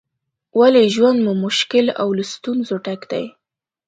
ولې ژوند مو مشکل او له ستونزو ډک دی؟